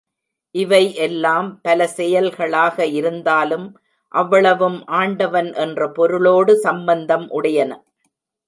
இவை எல்லாம் பல செயல்களாக இருந்தாலும் அவ்வளவும் ஆண்டவன் என்ற பொருளோடு சம்பந்தம் உடையன.